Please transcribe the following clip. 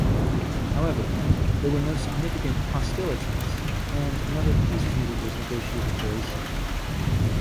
However, there were no significant hostilities and another peace treaty was negotiated very soon.